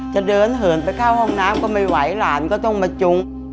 จะเดินเหินไปเข้าห้องน้ำก็ไม่ไหวหลานก็ต้องมาจุง